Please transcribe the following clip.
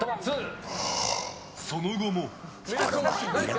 その後も。